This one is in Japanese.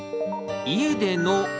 家での？